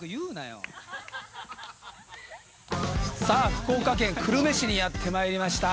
福岡県久留米市にやってまいりました。